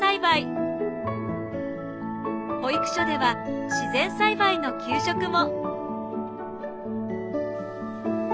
保育所では自然栽培の給食も。